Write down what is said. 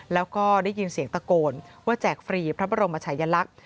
แล้วก็ได้ยินเสียงตะโกนว่าแจกฟรีพระบรมชายลักษณ์